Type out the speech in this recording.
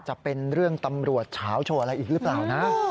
จะเป็นเรื่องตำรวจเฉาโชว์อะไรอีกหรือเปล่านะ